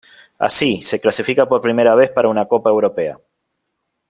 Así, se clasifica por primera vez para una copa europea.